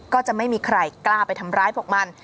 ก็จะไม่มีใครกล้าไปทำร้ายพวกมัน